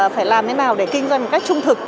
phải làm thế nào để kinh doanh một cách trung thực